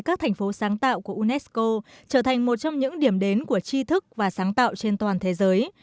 các thành phố sáng tạo của unesco trở thành một trong những điểm đến của chi thức và sáng tạo trên toàn thế giới